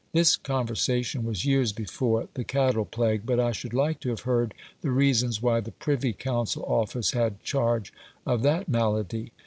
This conversation was years before the cattle plague, but I should like to have heard the reasons why the Privy Council Office had charge of that malady.